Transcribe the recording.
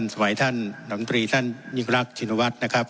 สมัยท่านลำตรีท่านยิ่งรักชินวัฒน์นะครับ